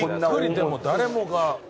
でも誰もが。